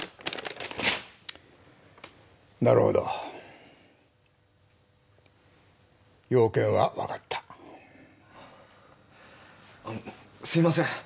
・なるほど用件は分かったすいません